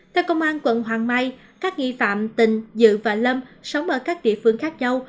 theo công an quận hoàng mai các nghi phạm tình dự và lâm sống ở các địa phương khác nhau